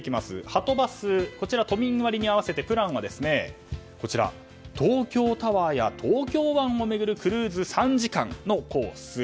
はとバスは都民割に合わせてプランは東京タワーや東京湾を巡るクルーズ３時間のコース。